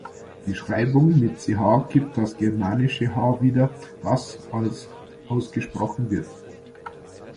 Die Schreibung mit ‚Ch‘ gibt das germanische ‚h‘ wieder, das als ausgesprochen wird.